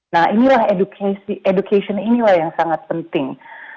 nah inilah education inilah yang sangat penting